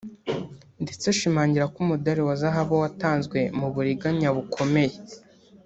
ndetse ashimangira ko umudari wa zahabu watanzwe mu buriganya bukomeye